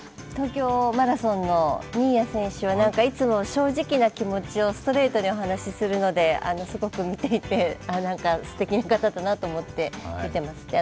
東京マラソンの新谷選手はいつも正直な気持ちをストレートにお話しするのですごく見ていて、すてきな方だなと思っています。